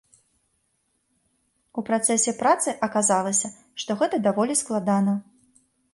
У працэсе працы аказалася, што гэта даволі складана.